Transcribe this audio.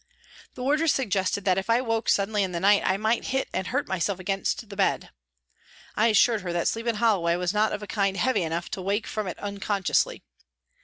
The wardress suggested that if I woke suddenly in the night I might hit and hurt myself against the bed. I assured her that sleep in Holloway was not of a kind heavy enough to wake from it unconsciously.